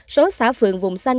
số xã phường vùng xanh